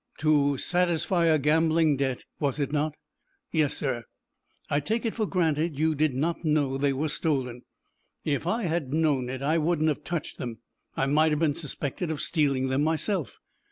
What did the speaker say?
"To satisfy a gambling debt, was it not?" "Yes, sir." "I take it for granted you did not know they were stolen?" "If I had known it I wouldn't have touched them. I might have been suspected of stealing them myself."